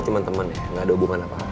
kita akan menunggu